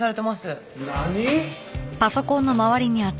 何！？